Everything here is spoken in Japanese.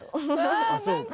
あそうか。